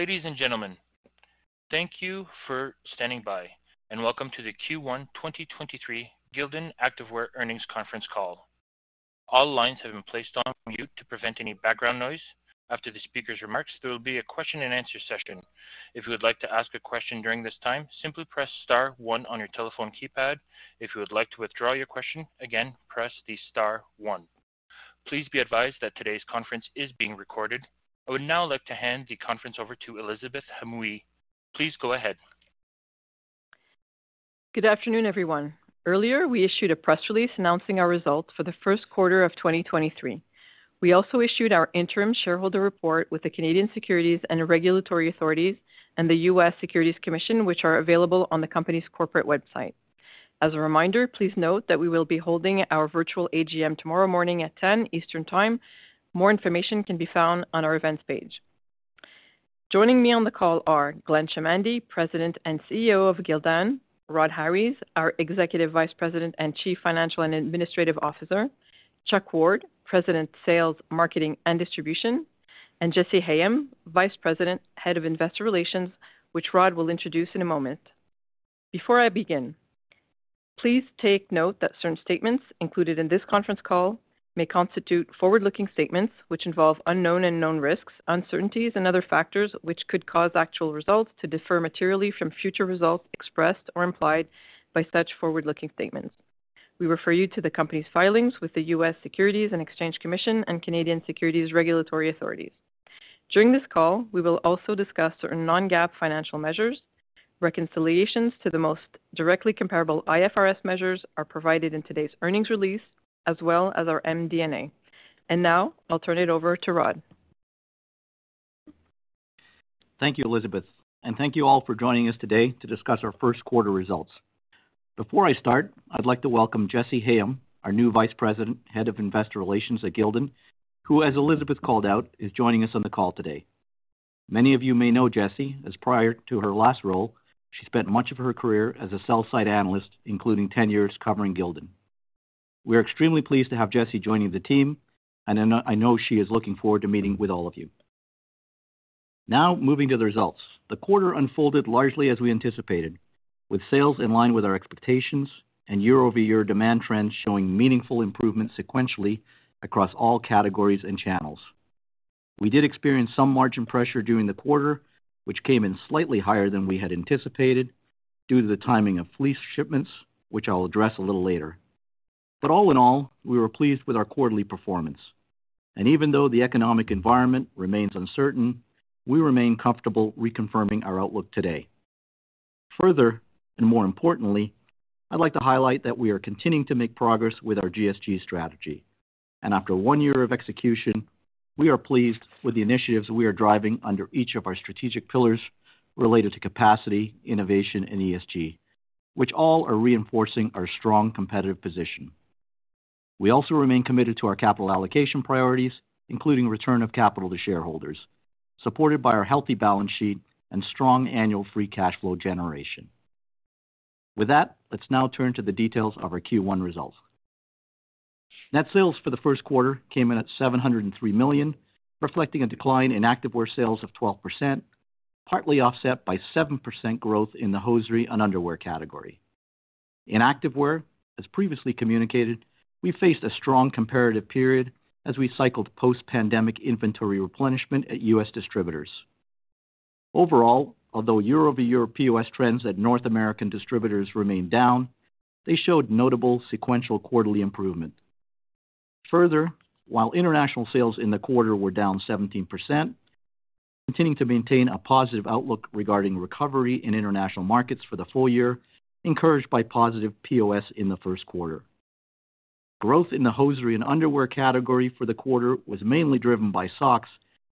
Ladies and gentlemen, thank you for standing by, and welcome to the Q1 2023 Gildan Activewear Earnings Conference Call. All lines have been placed on mute to prevent any background noise. After the speaker's remarks, there will be a question and answer session. If you would like to ask a question during this time, simply press star one on your telephone keypad. If you would like to withdraw your question, again, press the star one. Please be advised that today's conference is being recorded. I would now like to hand the conference over to Elisabeth Hamaoui. Please go ahead. Good afternoon, everyone. Earlier, we issued a press release announcing our results for the 1st quarter of 2023. We also issued our interim shareholder report with the Canadian Securities Regulatory Authorities and the U.S Securities and Exchange Commission, which are available on the company's corporate website. As a reminder, please note that we will be holding our virtual AGM tomorrow morning at 10:00 A.M. Eastern time. More information can be found on our events page. Joining me on the call are Glenn Chamandy, President and CEO of Gildan, Rhodri Harries, our Executive Vice President and Chief Financial and Administrative Officer, Chuck Ward, President Sales, Marketing and Distribution, and Jessy Hayem, Vice President, Head of Investor Relations, which Rod will introduce in a moment. Before I begin, please take note that certain statements included in this conference call may constitute forward-looking statements which involve unknown and known risks, uncertainties and other factors which could cause actual results to differ materially from future results expressed or implied by such forward-looking statements. We refer you to the Company's filings with the US Securities and Exchange Commission and Canadian Securities Regulatory Authorities. During this call, we will also discuss certain non-GAAP financial measures. Reconciliations to the most directly comparable IFRS measures are provided in today's earnings release as well as our MD&A. Now I'll turn it over to Rod. Thank you, Elizabeth, and thank you all for joining us today to discuss our first quarter results. Before I start, I'd like to welcome Jessy Hayem, our new Vice President, Head of Investor Relations at Gildan, who, as Elizabeth called out, is joining us on the call today. Many of you may know Jessy as prior to her last role, she spent much of her career as a sell side analyst, including 10 years covering Gildan. We are extremely pleased to have Jessy joining the team, and I know she is looking forward to meeting with all of you. Now moving to the results. The quarter unfolded largely as we anticipated, with sales in line with our expectations and year-over-year demand trends showing meaningful improvement sequentially across all categories and channels. We did experience some margin pressure during the quarter, which came in slightly higher than we had anticipated due to the timing of fleece shipments, which I'll address a little later. All in all, we were pleased with our quarterly performance. Even though the economic environment remains uncertain, we remain comfortable reconfirming our outlook today. Further, and more importantly, I'd like to highlight that we are continuing to make progress with our GSG strategy. After one year of execution, we are pleased with the initiatives we are driving under each of our strategic pillars related to capacity, innovation and ESG, which all are reinforcing our strong competitive position. We also remain committed to our capital allocation priorities, including return of capital to shareholders, supported by our healthy balance sheet and strong annual free cash flow generation. With that, let's now turn to the details of our Q1 results. Net sales for the first quarter came in at $703 million, reflecting a decline in activewear sales of 12%, partly offset by 7% growth in the hosiery and underwear category. In activewear, as previously communicated, we faced a strong comparative period as we cycled post-pandemic inventory replenishment at U.S. distributors. Overall, although year-over-year POS trends at North American distributors remained down, they showed notable sequential quarterly improvement. While international sales in the quarter were down 17%, continuing to maintain a positive outlook regarding recovery in international markets for the full year, encouraged by positive POS in the first quarter. Growth in the hosiery and underwear category for the quarter was mainly driven by socks,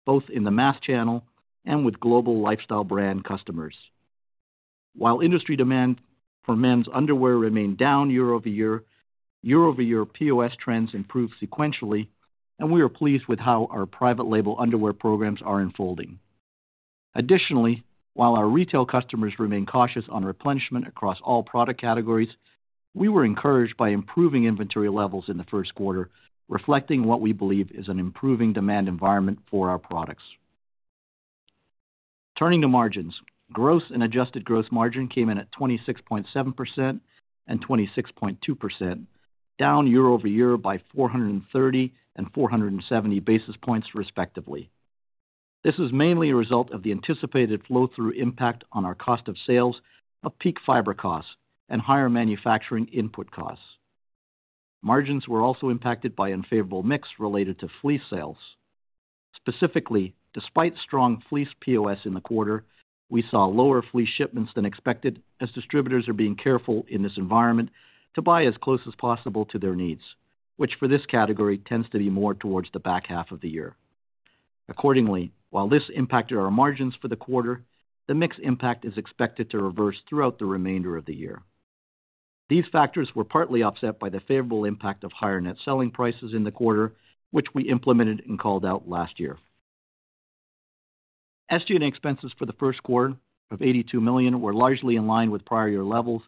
both in the mass channel and with global lifestyle brand customers. While industry demand for men's underwear remained down year-over-year, year-over-year POS trends improved sequentially, and we are pleased with how our private label underwear programs are unfolding. Additionally, while our retail customers remain cautious on replenishment across all product categories, we were encouraged by improving inventory levels in the first quarter, reflecting what we believe is an improving demand environment for our products. Turning to margins. Gross and adjusted gross margin came in at 26.7% and 26.2%, down year-over-year by 430 and 470 basis points, respectively. This is mainly a result of the anticipated flow through impact on our cost of sales of peak fiber costs and higher manufacturing input costs. Margins were also impacted by unfavorable mix related to fleece sales. Specifically, despite strong fleece POS in the quarter, we saw lower fleece shipments than expected as distributors are being careful in this environment to buy as close as possible to their needs, which for this category tends to be more towards the back half of the year. Accordingly, while this impacted our margins for the quarter, the mix impact is expected to reverse throughout the remainder of the year. These factors were partly offset by the favorable impact of higher net selling prices in the quarter, which we implemented and called out last year. SG&A expenses for the first quarter of $82 million were largely in line with prior year levels.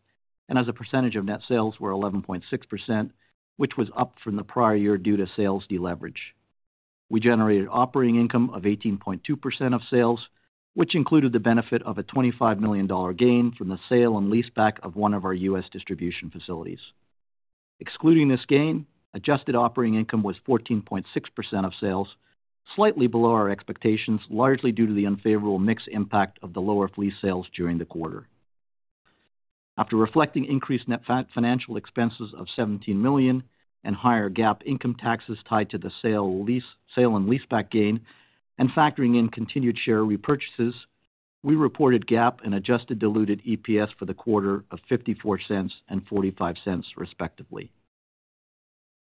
As a percentage of net sales were 11.6%, which was up from the prior year due to sales deleverage. We generated operating income of 18.2% of sales, which included the benefit of a $25 million gain from the sale and leaseback of one of our U.S. distribution facilities. Excluding this gain, adjusted operating income was 14.6% of sales, slightly below our expectations, largely due to the unfavorable mix impact of the lower fleet sales during the quarter. After reflecting increased net financial expenses of $17 million and higher GAAP income taxes tied to the sale and leaseback gain and factoring in continued share repurchases, we reported GAAP and adjusted diluted EPS for the quarter of $0.54 and $0.45, respectively.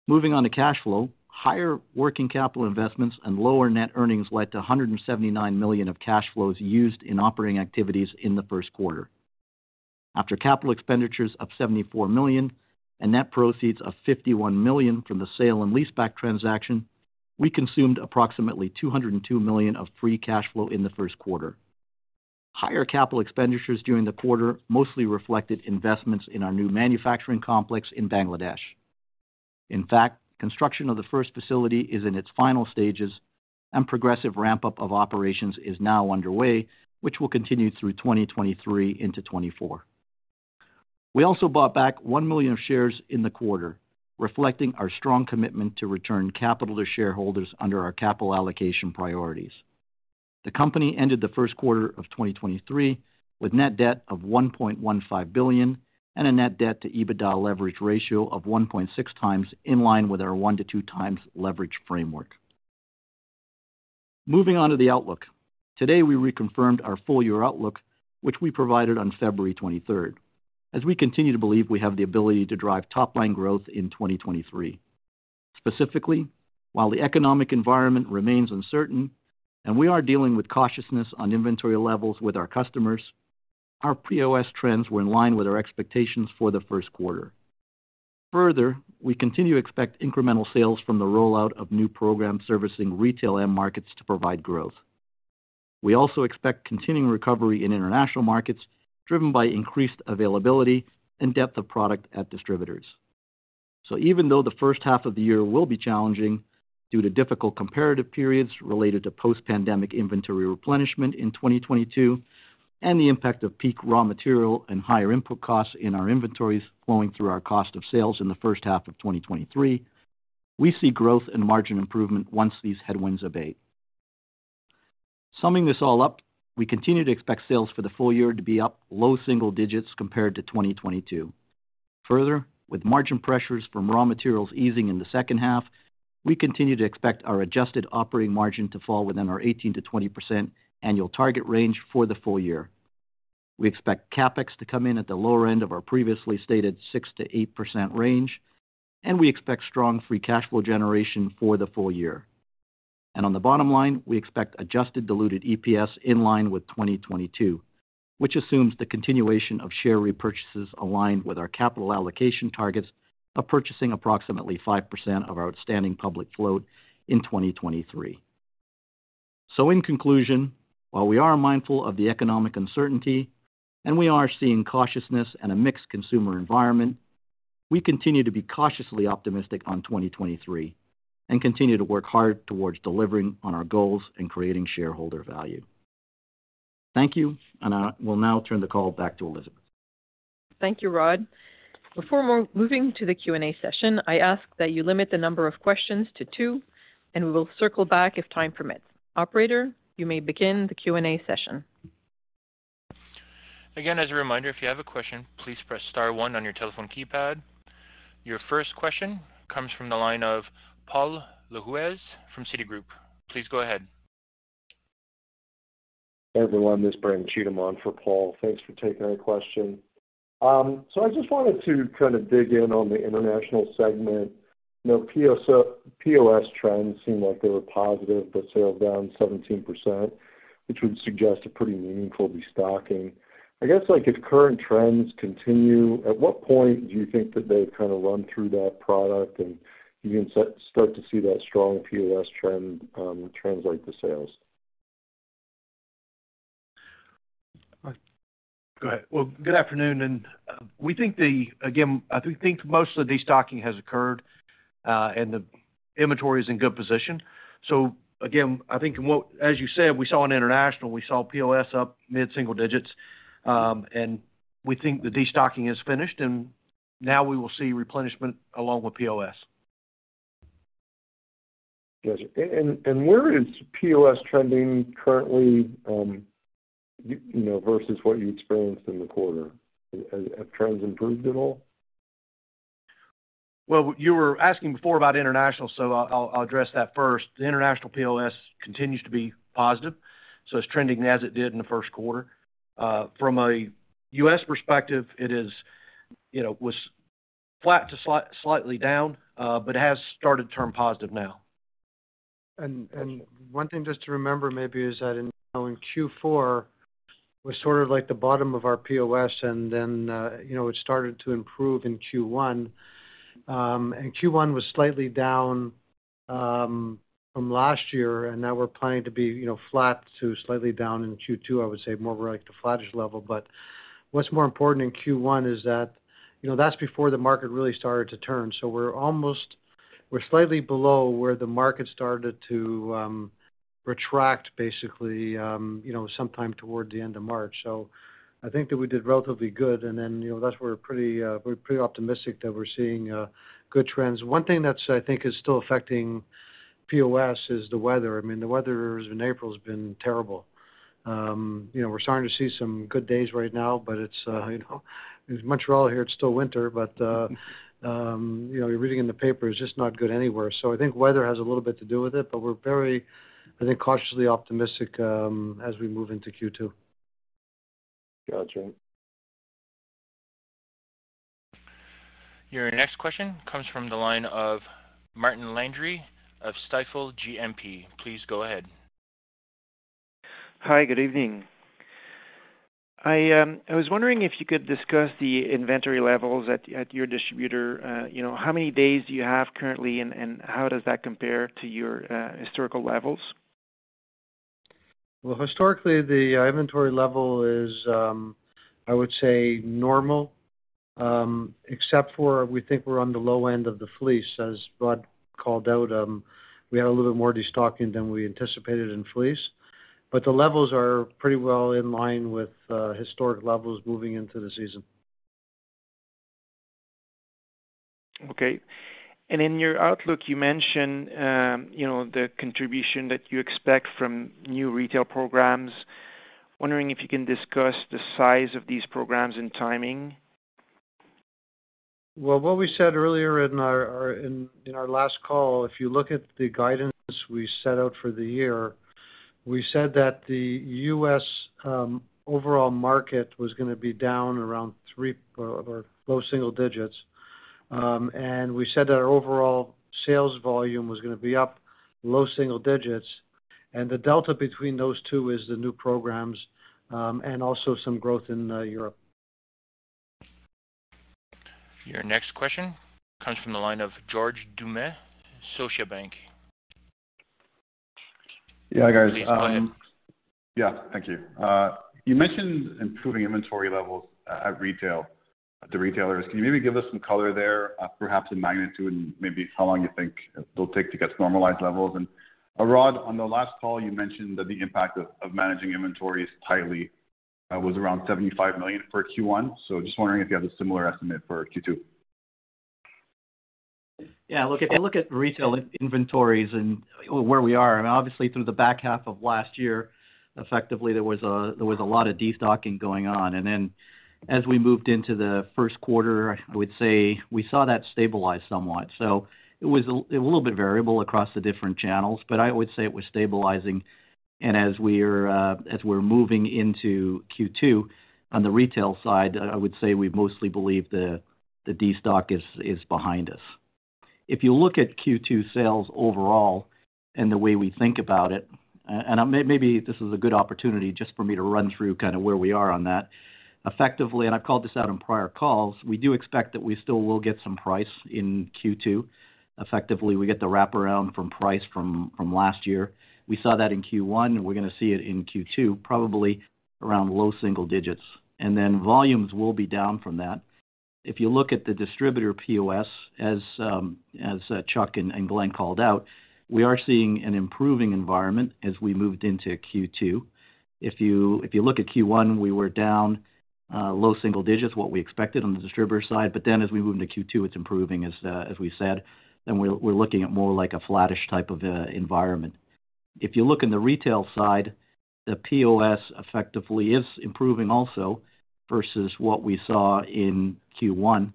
Moving on to cash flow. Higher working capital investments and lower net earnings led to a $179 million of cash flows used in operating activities in the first quarter. After capital expenditures of $74 million and net proceeds of $51 million from the sale and leaseback transaction, we consumed approximately $202 million of free cash flow in the first quarter. Higher capital expenditures during the quarter mostly reflected investments in our new manufacturing complex in Bangladesh. In fact, construction of the first facility is in its final stages, and progressive ramp-up of operations is now underway, which will continue through 2023 into 2024. We also bought back 1 million shares in the quarter, reflecting our strong commitment to return capital to shareholders under our capital allocation priorities. The company ended the first quarter of 2023 with net debt of $1.15 billion and a net debt to EBITDA leverage ratio of 1.6 times, in line with our 1-2 times leverage framework. Moving on to the outlook. Today, we reconfirmed our full year outlook, which we provided on February 23rd, as we continue to believe we have the ability to drive top line growth in 2023. Specifically, while the economic environment remains uncertain and we are dealing with cautiousness on inventory levels with our customers, our POS trends were in line with our expectations for the first quarter. Further, we continue to expect incremental sales from the rollout of new programs servicing retail end markets to provide growth. We also expect continuing recovery in international markets, driven by increased availability and depth of product at distributors. Even though the first half of the year will be challenging due to difficult comparative periods related to post-pandemic inventory replenishment in 2022 and the impact of peak raw material and higher input costs in our inventories flowing through our cost of sales in the first half of 2023, we see growth and margin improvement once these headwinds abate. Summing this all up, we continue to expect sales for the full year to be up low single digits compared to 2022. With margin pressures from raw materials easing in the second half, we continue to expect our adjusted operating margin to fall within our 18%-20% annual target range for the full year. We expect CapEx to come in at the lower end of our previously stated 6%-8% range. We expect strong free cash flow generation for the full year. On the bottom line, we expect adjusted diluted EPS in line with 2022, which assumes the continuation of share repurchases aligned with our capital allocation targets of purchasing approximately 5% of our outstanding public float in 2023. In conclusion, while we are mindful of the economic uncertainty and we are seeing cautiousness and a mixed consumer environment, we continue to be cautiously optimistic on 2023 and continue to work hard towards delivering on our goals and creating shareholder value. Thank you. I will now turn the call back to Elisabeth. Thank you, Rhod. Before moving to the Q&A session, I ask that you limit the number of questions to two, and we will circle back if time permits. Operator, you may begin the Q&A session. Again, as a reminder, if you have a question, please press star one on your telephone keypad. Your first question comes from the line of Paul Lejuez from Citigroup. Please go ahead. Everyone, this is Brandon Cheatham on for Paul. Thanks for taking my question. I just wanted to kind of dig in on the international segment. You know, POS trends seem like they were positive, but sales down 17%, which would suggest a pretty meaningful restocking. I guess like if current trends continue, at what point do you think that they kind of run through that product, and you can start to see that strong POS trend translate to sales? Go ahead. Well, good afternoon, and we think again, I do think most of the destocking has occurred, and the inventory is in good position. Again, I think as you said, we saw on international, we saw POS up mid-single digits. We think the destocking is finished, and now we will see replenishment along with POS. Got you. Where is POS trending currently, you know, versus what you experienced in the quarter? Has trends improved at all? You were asking before about international, so I'll address that first. The international POS continues to be positive, so it's trending as it did in the first quarter. From a U.S. perspective, it is, you know, was flat to slightly down, but it has started to turn positive now. One thing just to remember maybe is that in, you know, in Q4 was sort of like the bottom of our POS and then, you know, it started to improve in Q1. Q1 was slightly down from last year, and now we're planning to be, you know, flat to slightly down in Q2, I would say more like the flattish level. What's more important in Q1 is that, you know, that's before the market really started to turn. We're slightly below where the market started to retract basically, you know, sometime toward the end of March. I think that we did relatively good. You know, that's where we're pretty, we're pretty optimistic that we're seeing, good trends. One thing that's I think is still affecting POS is the weather. I mean, the weather in April has been terrible. You know, we're starting to see some good days right now, but it's, you know, in Montreal here, it's still winter, but, you know, you're reading in the paper it's just not good anywhere. I think weather has a little bit to do with it, but we're very, I think, cautiously optimistic, as we move into Q2. Got you. Your next question comes from the line of Martin Landry of Stifel GMP. Please go ahead. Hi, good evening. I was wondering if you could discuss the inventory levels at your distributor, you know. How many days do you have currently, and how does that compare to your historical levels? Historically, the inventory level is, I would say normal, except for we think we're on the low end of the fleece. As Rod Harries called out, we had a little bit more destocking than we anticipated in fleece, but the levels are pretty well in line with historic levels moving into the season. Okay. In your outlook, you mentioned, you know, the contribution that you expect from new retail programs. Wondering if you can discuss the size of these programs and timing? Well, what we said earlier in our last call, if you look at the guidance we set out for the year, we said that the US overall market was gonna be down around 3 or low single digits. We said that our overall sales volume was gonna be up low single digits, and the delta between those two is the new programs, and also some growth in Europe. Your next question comes from the line of George Doumet, Scotiabank. Yeah, guys. Please go ahead. Yeah. Thank you. You mentioned improving inventory levels at the retailers. Can you maybe give us some color there, perhaps in magnitude and maybe how long you think it'll take to get to normalized levels? Rod, on the last call, you mentioned that the impact of managing inventory is tightly, was around $75 million for Q1. Just wondering if you have a similar estimate for Q2. Yeah. Look, if you look at retail inventories and where we are, I mean, obviously through the back half of last year, effectively, there was a lot of destocking going on. As we moved into the first quarter, I would say we saw that stabilize somewhat. It was a little bit variable across the different channels, but I would say it was stabilizing. As we're moving into Q2, on the retail side, I would say we mostly believe the destock is behind us. If you look at Q2 sales overall and the way we think about it, and maybe this is a good opportunity just for me to run through kind of where we are on that. Effectively, and I've called this out on prior calls, we do expect that we still will get some price in Q2. Effectively, we get the wraparound from price from last year. We saw that in Q1, and we're gonna see it in Q2, probably around low single digits. Volumes will be down from that. If you look at the distributor POS, as Chuck and Glenn called out, we are seeing an improving environment as we moved into Q2. If you look at Q1, we were down low single digits, what we expected on the distributor side. As we move into Q2, it's improving as we said, and we're looking at more like a flattish type of environment. If you look in the retail side, the POS effectively is improving also versus what we saw in Q1.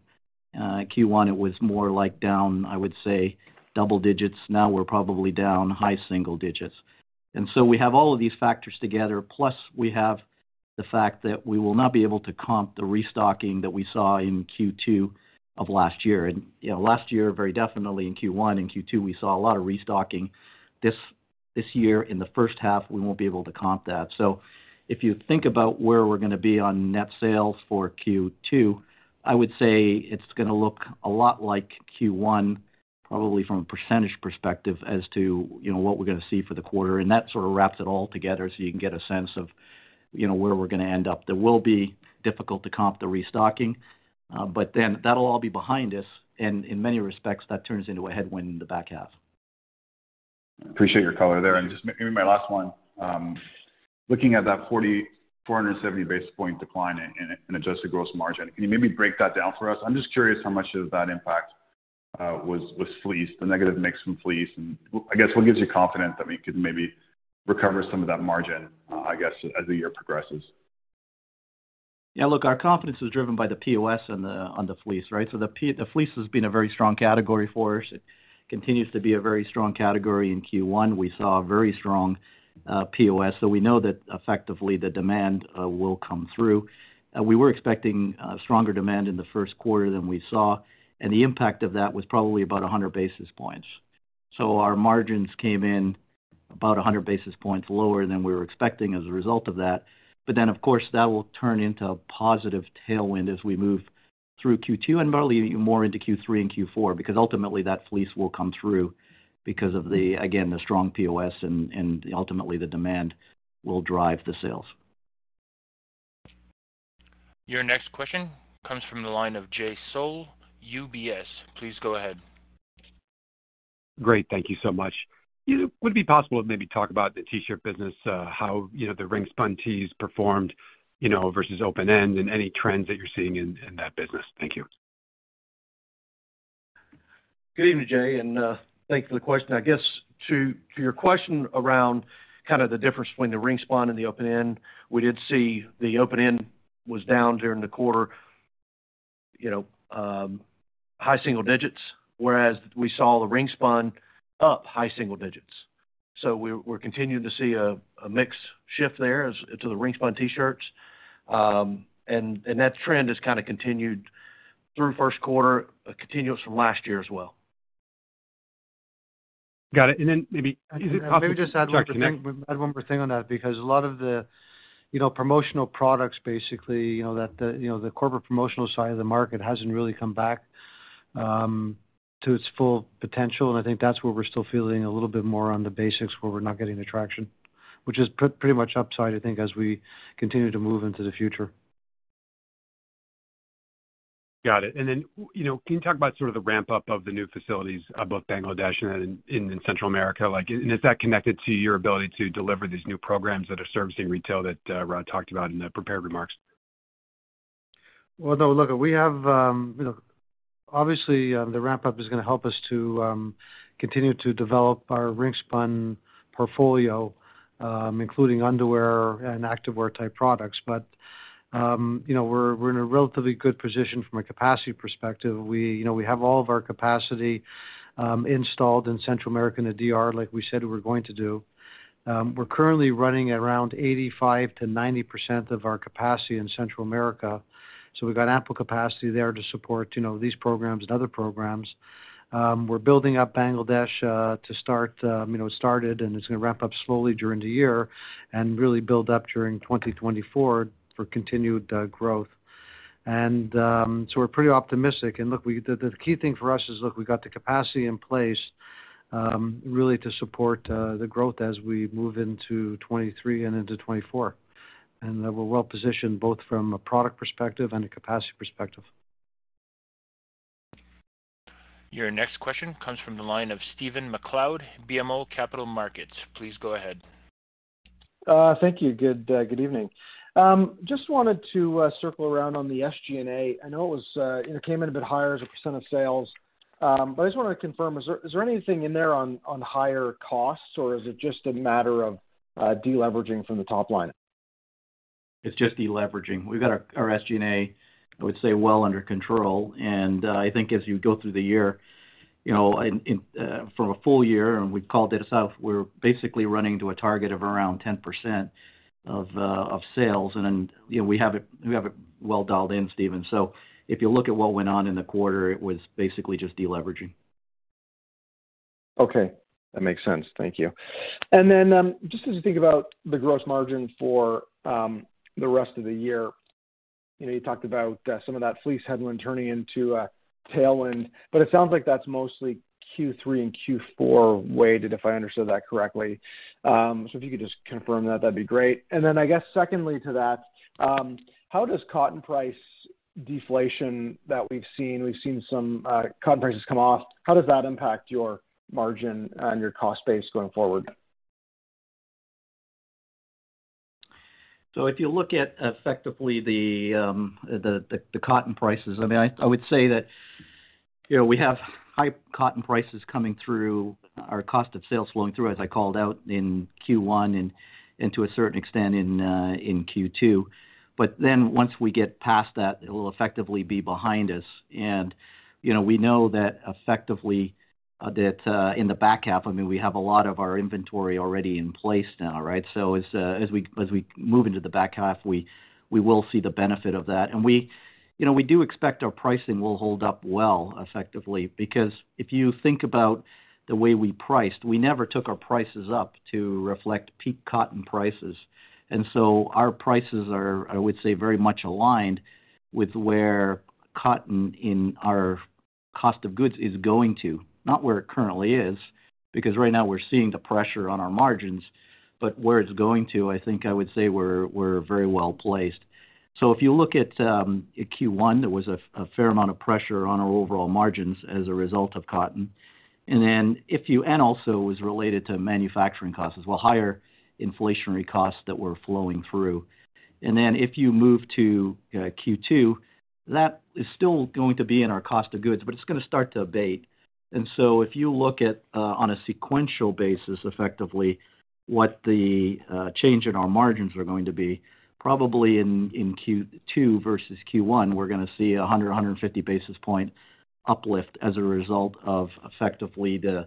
Q1, it was more like down, I would say, double digits. Now we're probably down high single digits. We have all of these factors together. Plus, we have the fact that we will not be able to comp the restocking that we saw in Q2 of last year. You know, last year, very definitely in Q1 and Q2, we saw a lot of restocking. This year in the first half, we won't be able to comp that. If you think about where we're gonna be on net sales for Q2, I would say it's gonna look a lot like Q1, probably from a percentage perspective as to, you know, what we're gonna see for the quarter. That sort of wraps it all together so you can get a sense of, you know, where we're gonna end up. There will be difficult to comp the restocking, but then that'll all be behind us, and in many respects, that turns into a headwind in the back half. Appreciate your color there. Just maybe my last one. Looking at that 470 basis point decline in adjusted gross margin, can you maybe break that down for us? I'm just curious how much of that impact was fleece, the negative mix from fleece? I guess, what gives you confidence that we could maybe recover some of that margin, I guess, as the year progresses? Yeah, look, our confidence is driven by the POS on the fleece, right? The fleece has been a very strong category for us. It continues to be a very strong category. In Q1, we saw a very strong POS, we know that effectively the demand will come through. We were expecting a stronger demand in the first quarter than we saw, the impact of that was probably about 100 basis points. Our margins came in about 100 basis points lower than we were expecting as a result of that. Of course, that will turn into a positive tailwind as we move through Q2 and barely more into Q3 and Q4, because ultimately that fleece will come through because of the, again, the strong POS and ultimately the demand will drive the sales. Your next question comes from the line of Jay Sole, UBS. Please go ahead. Great. Thank you so much. Would it be possible to maybe talk about the T-shirt business, how, you know, the ring-spun tees performed, you know, versus open-end and any trends that you're seeing in that business? Thank you. Good evening, Jay. Thank you for the question. I guess to your question around kind of the difference between the ring-spun and the open-end, we did see the open-end was down during the quarter, you know, high single digits, whereas we saw the ring-spun up high single digits. We're continuing to see a mix shift there as to the ring-spun T-shirts. And that trend has kinda continued through first quarter, continuous from last year as well. Got it. Maybe just add one more thing on that, because a lot of the, you know, promotional products, basically, you know, that the, you know, the corporate promotional side of the market hasn't really come back to its full potential. I think that's where we're still feeling a little bit more on the basics, where we're not getting the traction, which is pretty much upside, I think, as we continue to move into the future. Got it. You know, can you talk about sort of the ramp-up of the new facilities, both Bangladesh and in Central America? Like, is that connected to your ability to deliver these new programs that are servicing retail that, Rod talked about in the prepared remarks? No, look, we have, obviously, the ramp-up is gonna help us to continue to develop our ring-spun portfolio, including underwear and activewear-type products. We're in a relatively good position from a capacity perspective. We have all of our capacity installed in Central America and the DR, like we said we were going to do. We're currently running around 85% to 90% of our capacity in Central America. We've got ample capacity there to support these programs and other programs. We're building up Bangladesh to start, started, and it's gonna ramp up slowly during the year and really build up during 2024 for continued growth. We're pretty optimistic. Look, the key thing for us is, look, we got the capacity in place, really to support the growth as we move into 2023 and into 2024. We're well positioned both from a product perspective and a capacity perspective. Your next question comes from the line of Stephen MacLeod, BMO Capital Markets. Please go ahead. Thank you. Good, good evening. Just wanted to circle around on the SG&A. I know it was, it came in a bit higher as a % of sales, I just wanted to confirm, is there anything in there on higher costs, or is it just a matter of deleveraging from the top line? It's just deleveraging. We've got our SG&A, I would say, well under control. I think as you go through the year, you know, in, from a full year, and we've called this out, we're basically running to a target of around 10% of sales. You know, we have it well dialed in, Steven. If you look at what went on in the quarter, it was basically just deleveraging. Okay. That makes sense. Thank you. Just as you think about the gross margin for the rest of the year, you know, you talked about some of that fleece headwind turning into a tailwind, but it sounds like that's mostly Q3 and Q4 weighted, if I understood that correctly. If you could just confirm that'd be great. I guess secondly to that, how does cotton price deflation that we've seen, we've seen some, cotton prices come off, how does that impact your margin and your cost base going forward? If you look at effectively the cotton prices, I mean, I would say that, you know, we have high cotton prices coming through our cost of sales flowing through, as I called out in Q1 and to a certain extent in Q2. Once we get past that, it will effectively be behind us. You know, we know that effectively that in the back half, I mean, we have a lot of our inventory already in place now, right? As we move into the back half, we will see the benefit of that. We, you know, we do expect our pricing will hold up well effectively, because if you think about the way we priced, we never took our prices up to reflect peak cotton prices. Our prices are, I would say, very much aligned with where cotton in our cost of goods is going to, not where it currently is, because right now we're seeing the pressure on our margins. Where it's going to, I think I would say we're very well placed. If you look at Q1, there was a fair amount of pressure on our overall margins as a result of cotton. Also it was related to manufacturing costs as well, higher inflationary costs that were flowing through. If you move to Q2, that is still going to be in our cost of goods, but it's gonna start to abate. If you look at, on a sequential basis, effectively, what the, change in our margins are going to be, probably in Q2 versus Q1, we're gonna see 100, 150 basis point uplift as a result of effectively the,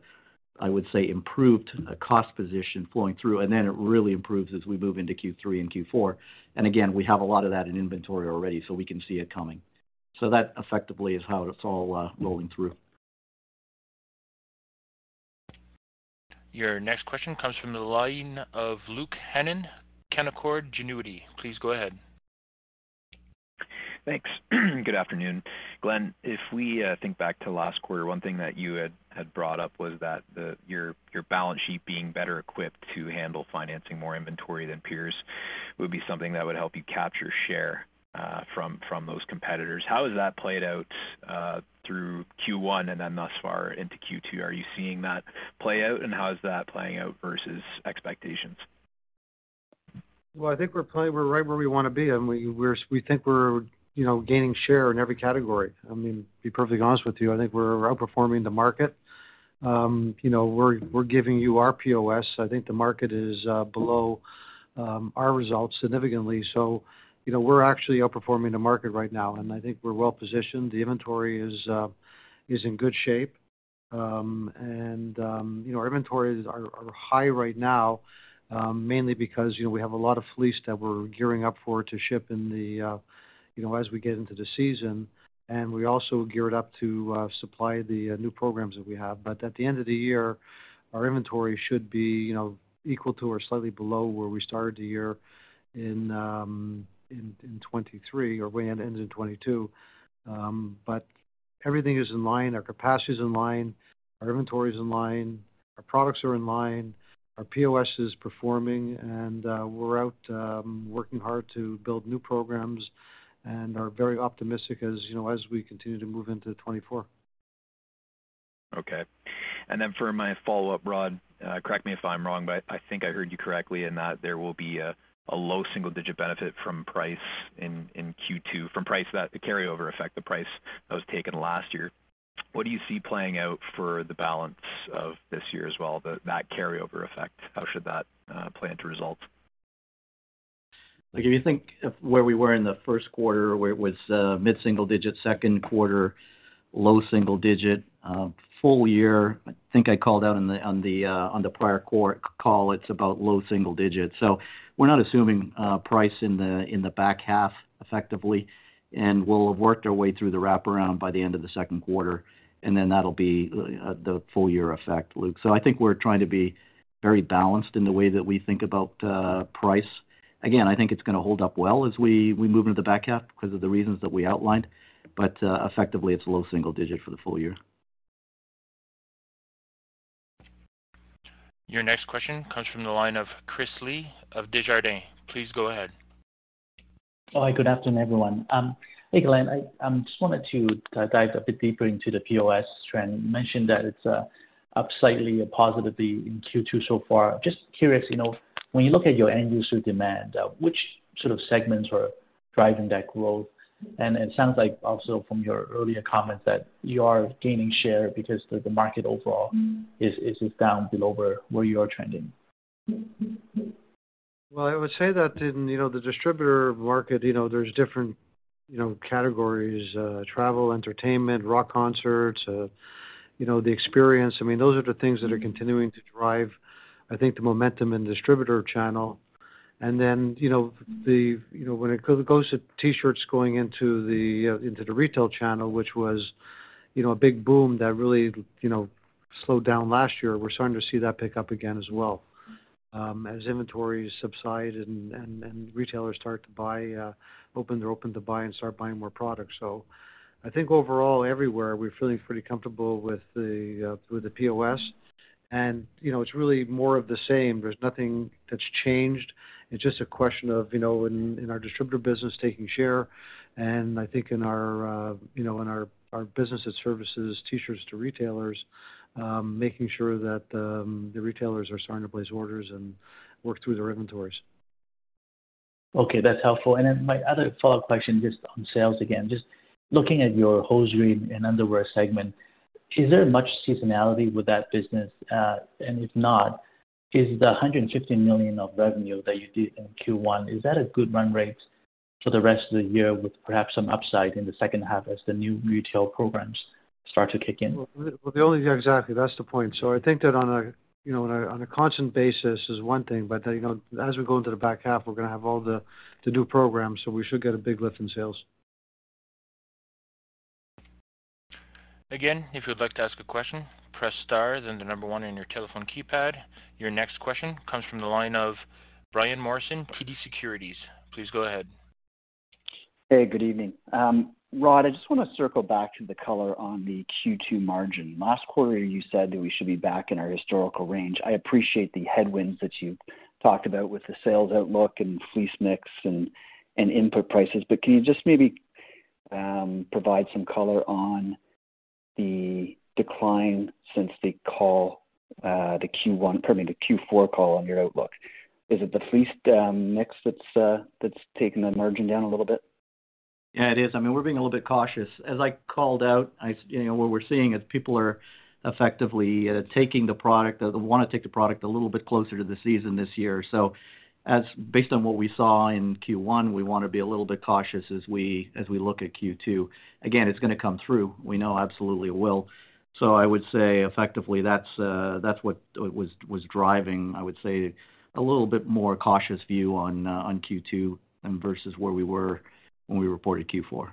I would say, improved cost position flowing through. It really improves as we move into Q3 and Q4. We have a lot of that in inventory already, so we can see it coming. That effectively is how it's all, rolling through. Your next question comes from the line of Luke Hannan, Canaccord Genuity. Please go ahead. Thanks. Good afternoon. Glenn, if we think back to last quarter, one thing that you had brought up was that your balance sheet being better equipped to handle financing more inventory than peers would be something that would help you capture share from those competitors. How has that played out through Q1 and then thus far into Q2? Are you seeing that play out, and how is that playing out versus expectations? Well, I think we're right where we wanna be, and we think we're, you know, gaining share in every category. I mean, to be perfectly honest with you, I think we're outperforming the market. you know, we're giving you our POS. I think the market is below our results significantly. you know, we're actually outperforming the market right now, and I think we're well positioned. The inventory is in good shape. and, you know, our inventories are high right now, mainly because, you know, we have a lot of fleece that we're gearing up for to ship in the, you know, as we get into the season. we also geared up to supply the new programs that we have. At the end of the year, our inventory should be, you know, equal to or slightly below where we started the year in 2023 or way it ends in 2022. Everything is in line. Our capacity is in line. Our inventory is in line. Our products are in line. Our POS is performing. We're out working hard to build new programs and are very optimistic as, you know, as we continue to move into 2024. Okay. For my follow-up, Rhodri Harries, correct me if I'm wrong, but I think I heard you correctly in that there will be a low single-digit benefit from price in Q2. From price, that carryover effect, the price that was taken last year. What do you see playing out for the balance of this year as well, that carryover effect? How should that play into results? Like, if you think of where we were in the first quarter where it was, mid-single digit, second quarter, low single digit, full year, I think I called out on the prior call. It's about low single digits. We're not assuming price in the, in the back half effectively, and we'll have worked our way through the wraparound by the end of the second quarter. That'll be the full year effect, Luke. I think we're trying to be very balanced in the way that we think about price. Again, I think it's gonna hold up well as we move into the back half 'cause of the reasons that we outlined. Effectively, it's low single digit for the full year. Your next question comes from the line of Chris Lee of Desjardins. Please go ahead. Oh, hi, good afternoon, everyone. Hey, Glenn, I just wanted to dive a bit deeper into the POS trend. You mentioned that it's up slightly positively in Q2 so far. Just curious, you know, when you look at your end user demand, which sort of segments are driving that growth? It sounds like also from your earlier comments that you are gaining share because the market overall is down below where you are trending. Well, I would say that in, you know, the distributor market, you know, there's different, you know, categories, travel, entertainment, rock concerts, you know, the experience. I mean, those are the things that are continuing to drive, I think, the momentum in distributor channel. You know, when it goes to T-shirts going into the retail channel, which was, you know, a big boom that really, you know, slowed down last year, we're starting to see that pick up again as well, as inventories subside and retailers start to buy, open, they're open to buy and start buying more product. I think overall, everywhere, we're feeling pretty comfortable with the POS. You know, it's really more of the same. There's nothing that's changed. It's just a question of, you know, in our distributor business, taking share. I think in our, you know, in our business that services T-shirts to retailers, making sure that, the retailers are starting to place orders and work through their inventories. Okay, that's helpful. My other follow-up question just on sales again. Just looking at your hosiery and underwear segment, is there much seasonality with that business? If not, is the $150 million of revenue that you did in Q1, is that a good run rate for the rest of the year with perhaps some upside in the second half as the new retail programs start to kick in? Well, the only. Yeah, exactly. That's the point. I think that on a, you know, on a constant basis is one thing, you know, as we go into the back half, we're gonna have all the new programs. We should get a big lift in sales. If you'd like to ask a question, press star then 1 on your telephone keypad. Your next question comes from the line of Brian Morrison, TD Securities. Please go ahead. Good evening. Rod, I just wanna circle back to the color on the Q2 margin. Last quarter, you said that we should be back in our historical range. I appreciate the headwinds that you've talked about with the sales outlook and fleece mix and input prices, can you just maybe provide some color on the decline since the call, the Q1, pardon me, the Q4 call on your outlook? Is it the fleece mix that's taken the margin down a little bit? Yeah, it is. I mean, we're being a little bit cautious. As I called out, you know, what we're seeing is people are effectively taking the product or they wanna take the product a little bit closer to the season this year. As based on what we saw in Q1, we wanna be a little bit cautious as we look at Q2. Again, it's gonna come through. We know absolutely it will. I would say effectively that's what was driving, I would say, a little bit more cautious view on Q2 and versus where we were when we reported Q4.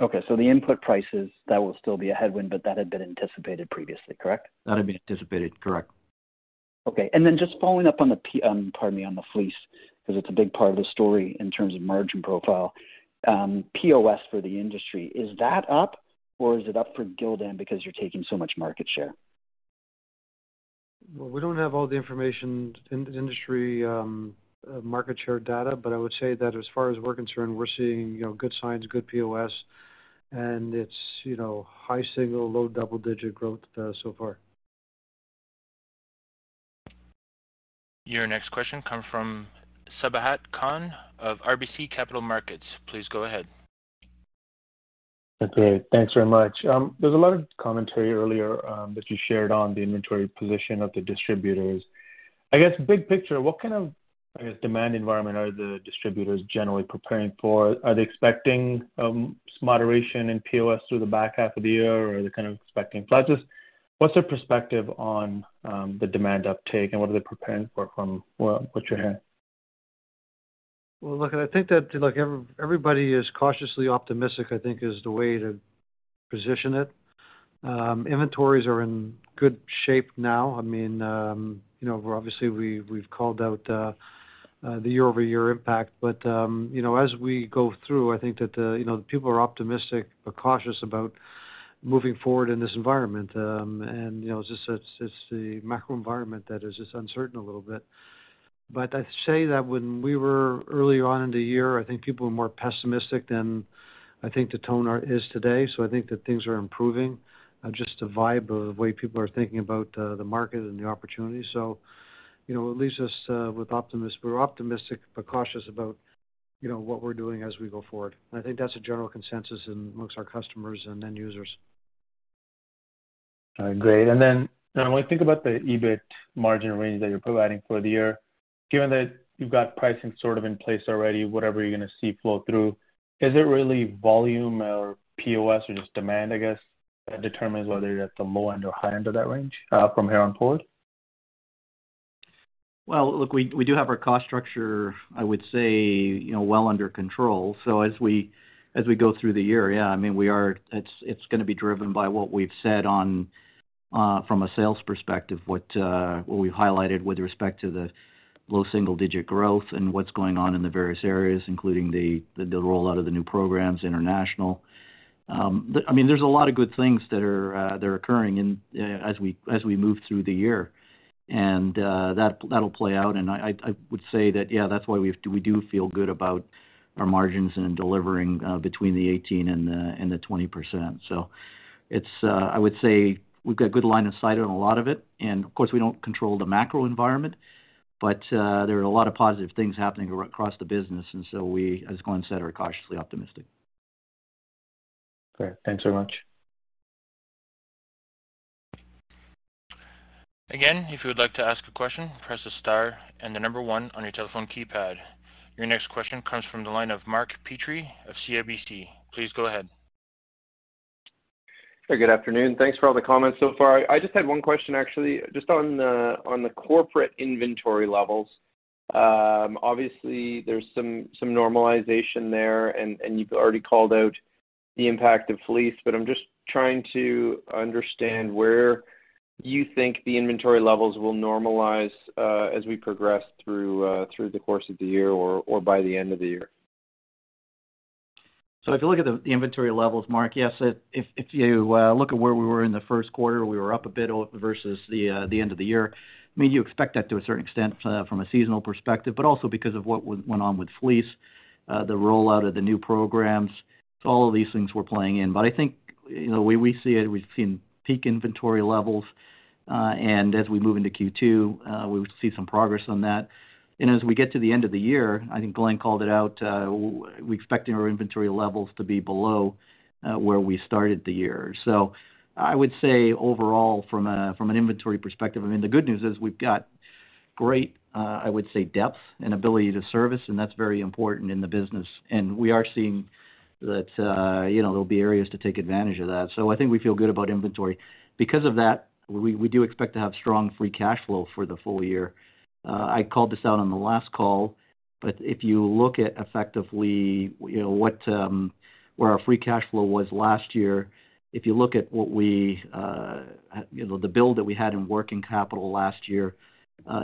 Okay. The input prices, that will still be a headwind, but that had been anticipated previously, correct? That had been anticipated, correct. Okay. Just following up on the pardon me, on the fleece, because it's a big part of the story in terms of margin profile. POS for the industry, is that up, or is it up for Gildan because you're taking so much market share? We don't have all the information in industry, market share data, but I would say that as far as we're concerned, we're seeing, you know, good signs, good POS, and it's, you know, high single, low double-digit growth so far. Your next question come from Sabahat Khan of RBC Capital Markets. Please go ahead. Okay. Thanks very much. There's a lot of commentary earlier that you shared on the inventory position of the distributors. I guess big picture, what kind of, I guess, demand environment are the distributors generally preparing for? Are they expecting moderation in POS through the back half of the year, or are they kind of expecting flutters? What's their perspective on the demand uptake, and what are they preparing for from, well, what you're hearing? Look, I think that, look, everybody is cautiously optimistic, I think is the way to position it. Inventories are in good shape now. I mean, you know, we're obviously we've called out the year-over-year impact. You know, as we go through, I think that, you know, people are optimistic or cautious about moving forward in this environment. You know, it's just, it's the macro environment that is just uncertain a little bit. I'd say that when we were early on in the year, I think people were more pessimistic than I think the tone is today. I think that things are improving, just the vibe of the way people are thinking about the market and the opportunity. You know, it leaves us with optimists. We're optimistic but cautious about, you know, what we're doing as we go forward. I think that's a general consensus amongst our customers and end users. All right. Great. Then when we think about the EBIT margin range that you're providing for the year, given that you've got pricing sort of in place already, whatever you're gonna see flow through, is it really volume or POS or just demand, I guess, that determines whether you're at the low end or high end of that range from here on forward? Look, we do have our cost structure, I would say, you know, well under control. As we go through the year, yeah, I mean, It's gonna be driven by what we've said from a sales perspective, what we've highlighted with respect to the low single-digit growth and what's going on in the various areas, including the rollout of the new programs, international. I mean, there's a lot of good things that are occurring as we move through the year. That'll play out. I would say that, yeah, that's why we do feel good about our margins and delivering between the 18% and the 20%. It's, I would say, we've got good line of sight on a lot of it. Of course, we don't control the macro environment, but there are a lot of positive things happening across the business. We, as Glenn said, are cautiously optimistic. Great. Thanks so much. Again, if you would like to ask a question, press the star and the number one on your telephone keypad. Your next question comes from the line of Mark Petrie of CIBC. Please go ahead. Hey, good afternoon. Thanks for all the comments so far. I just had one question, actually, just on the corporate inventory levels. Obviously there's some normalization there, and you've already called out the impact of fleece, but I'm just trying to understand where you think the inventory levels will normalize, as we progress through the course of the year or by the end of the year? If you look at the inventory levels, Mark, yes, if you look at where we were in the first quarter, we were up a bit versus the end of the year. I mean, you expect that to a certain extent from a seasonal perspective, but also because of what went on with fleece, the rollout of the new programs. All of these things were playing in. I think, you know, we see it. We've seen peak inventory levels, and as we move into Q2, we see some progress on that. As we get to the end of the year, I think Glenn called it out, we're expecting our inventory levels to be below where we started the year. I would say overall from a, from an inventory perspective, I mean, the good news is we've got great, I would say, depth and ability to service, and that's very important in the business. We are seeing that, you know, there'll be areas to take advantage of that. I think we feel good about inventory. Because of that, we do expect to have strong free cash flow for the full year. I called this out on the last call, if you look at effectively, you know, what, where our free cash flow was last year. If you look at what we, you know, the build that we had in working capital last year.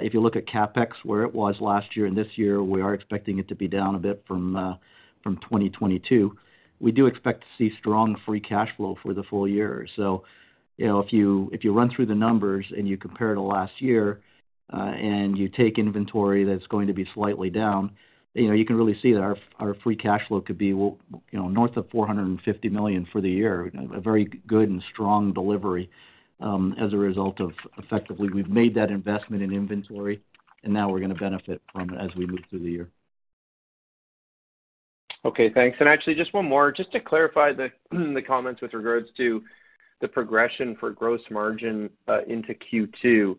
If you look at CapEx, where it was last year and this year, we are expecting it to be down a bit from 2022. We do expect to see strong free cash flow for the full year. You know, if you run through the numbers and you compare to last year, and you take inventory that's going to be slightly down, you know, you can really see that our free cash flow could be, you know, north of $450 million for the year. A very good and strong delivery, as a result of effectively, we've made that investment in inventory, and now we're gonna benefit from it as we move through the year. Okay, thanks. Just one more just to clarify the comments with regards to the progression for gross margin into Q2.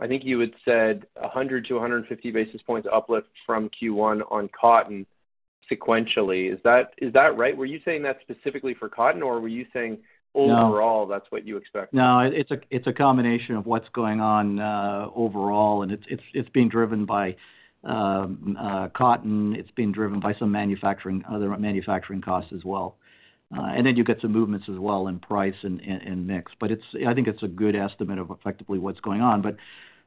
I think you had said 100 to 150 basis points uplift from Q1 on cotton sequentially. Is that right? Were you saying that specifically for cotton, or were you saying... No. overall, that's what you expect? No, it's a, it's a combination of what's going on, overall, and it's being driven by, cotton. It's being driven by some manufacturing, other manufacturing costs as well. Then you've got some movements as well in price and mix. I think it's a good estimate of effectively what's going on.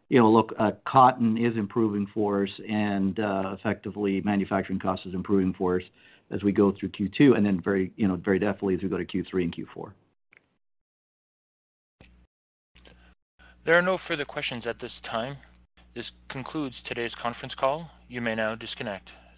You know, look, cotton is improving for us and, effectively manufacturing cost is improving for us as we go through Q2 and then very, you know, definitely as we go to Q3 and Q4. There are no further questions at this time. This concludes today's conference call. You may now disconnect. Thank you.